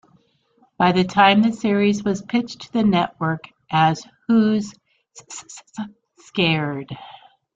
By the time the series was pitched to the network as Who's S-S-Scared?